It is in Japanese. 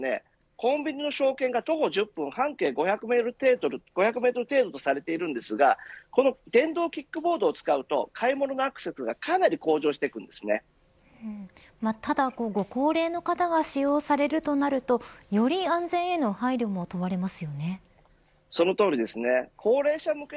コンビニの商圏が徒歩１０分半径５００メートル程度とされているんですがこの電動キックボードを使うと買い物のアクセスがただご高齢の方が使用されるとなるとより安全への配慮もそのとおりですね。